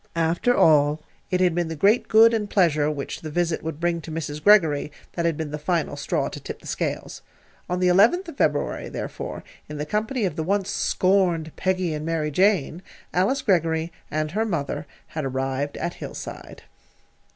After all, it had been the great good and pleasure which the visit would bring to Mrs. Greggory that had been the final straw to tip the scales. On the eleventh of February, therefore, in the company of the once scorned "Peggy and Mary Jane," Alice Greggory and her mother had arrived at Hillside.